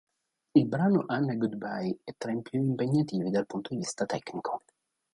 Il brano "Anna Goodbye" è tra i più impegnativi dal punto di vista tecnico.